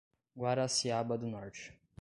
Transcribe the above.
Guaraciaba do Norte